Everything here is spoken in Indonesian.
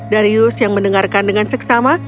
darius yang mendengarkan dengan seksama